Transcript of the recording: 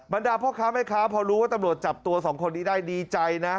ดาพ่อค้าแม่ค้าพอรู้ว่าตำรวจจับตัวสองคนนี้ได้ดีใจนะ